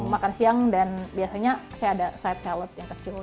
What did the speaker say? makan siang dan biasanya saya ada side sallot yang kecil